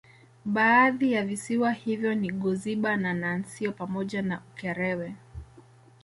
Baadhi ya visiwa hivyo ni Goziba na Nansio pamoja na Ukerewe